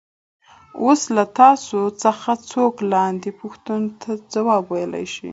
اوس له تاسو څخه څوک لاندې پوښتنو ته ځواب ویلای شي.